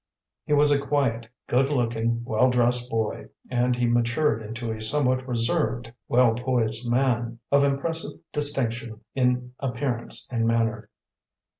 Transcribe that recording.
He was a quiet, good looking, well dressed boy, and he matured into a somewhat reserved, well poised man, of impressive distinction in appearance and manner.